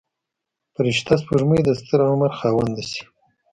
فرشته سپوږمۍ د دستر عمر خاونده شي.